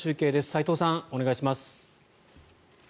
齋藤さん、お願いします。